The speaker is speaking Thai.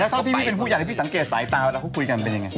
แล้วเท่าที่มีเป็นผู้อยากให้พี่สังเกตสายตาแล้วพูดคุยกันเป็นยังไง